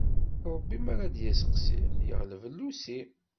Ṛebbi mi ara d isteqsi, yeɣleb llusi.